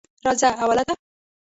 راځه اوله ده.